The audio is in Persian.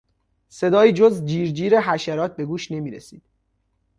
صدایی جز جیر جیر حشرات به گوش نمیرسید.